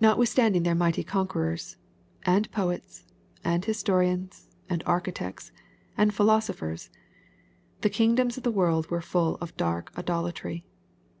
Notwithstanding their mighty conquerors, and poets, and historians, and architects, and philoso phers, the kingdoms of the world were full of dark idolatry.